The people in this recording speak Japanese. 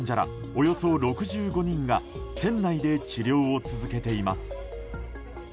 およそ６５人が船内で治療を続けています。